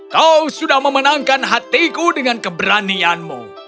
kau sudah memenangkan hatiku dengan keberanianmu